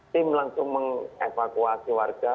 tim langsung mengevakuasi warga